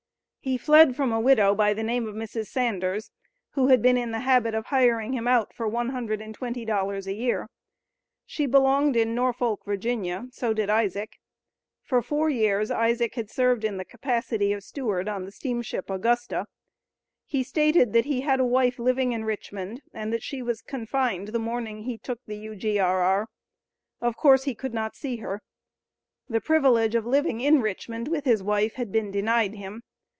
He fled from a widow by the name of Mrs. Sanders, who had been in the habit of hiring him out for "one hundred and twenty dollars a year." She belonged in Norfolk, Va.; so did Isaac. For four years Isaac had served in the capacity of steward on the steamship Augusta. He stated that he had a wife living in Richmond, and that she was confined the morning he took the U.G.R.R. Of course he could not see her. The privilege of living in Richmond with his wife "had been denied him."